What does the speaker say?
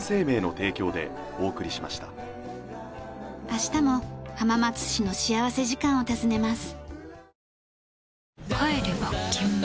明日も浜松市の幸福時間を訪ねます。